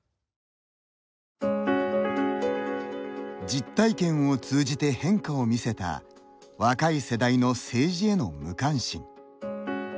実体験を通じて変化を見せた若い世代の政治への無関心。